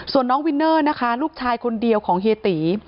ส่วนน้องวินเนอร์นะคะลูกชายคนเดียวของเฮียตี